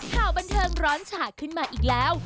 ข่าวบันเทิงร้อนฉากขึ้นมาอีกแล้ว